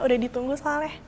udah ditunggu soalnya